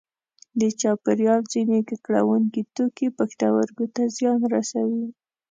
د چاپیریال ځینې ککړوونکي توکي پښتورګو ته زیان رسوي.